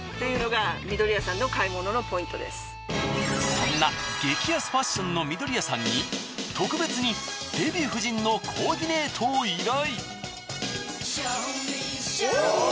そんな激安ファッションのみどりやさんに特別にデヴィ夫人のコーディネートを依頼。